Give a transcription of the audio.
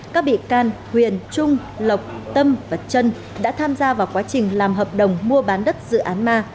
các bị can huyền trung lộc tâm và trân đã tham gia vào quá trình làm hợp đồng mua bán đất dự án ma